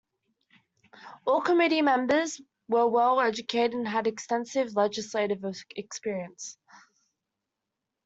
All committee members were well educated and had extensive legislative experience.